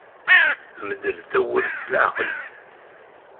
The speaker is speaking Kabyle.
Mdel tawwurt-a s leɛqel.